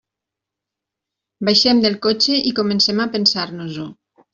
Baixem del cotxe i comencem a pensar-nos-ho.